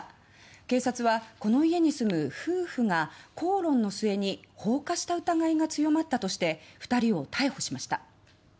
警察はこの家に住む夫婦が口論の末に放火した疑いが強まったとして２人を逮捕しました。